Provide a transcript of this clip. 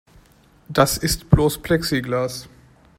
Das ist bloß Plexiglas.